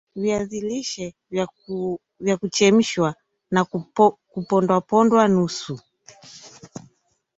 Viazi lishe vya kuchemshwa na kupondwapondwa nusu